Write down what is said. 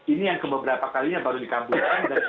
ini yang kebeberapa kalinya baru dikabulkan